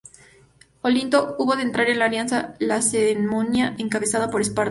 Olinto hubo de entrar en la alianza lacedemonia encabezada por Esparta.